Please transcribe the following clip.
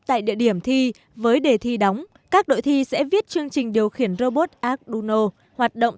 tại địa điểm thi với đề thi đóng các đội thi sẽ viết chương trình điều khiển robot acruno hoạt động